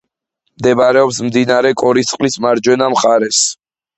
მდებარეობს მდინარე კორისწყლის მარჯვენა მხარეს.